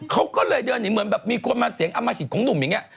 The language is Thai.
เขาก็เลยเดินหนีเหมือนแบบมีคนมาเสียงอมหิตของหนุ่มอย่างนี้